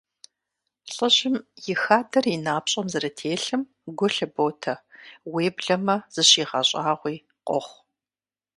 ЛӀыжьым и хадэр и напщӀэм зэрытелъым гу лъыботэ, уеблэмэ зыщигъэщӀагъуи къохъу.